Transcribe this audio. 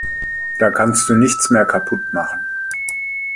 Da kannst du nichts mehr kaputt machen.